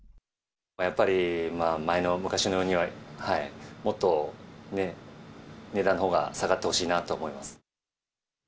やっぱり前の、昔のようには、もっと値段のほうが下がってほしいなと思います。